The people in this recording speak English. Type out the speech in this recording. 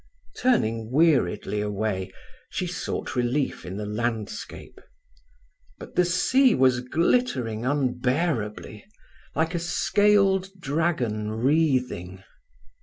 Turning weariedly away, she sought relief in the landscape. But the sea was glittering unbearably, like a scaled dragon wreathing.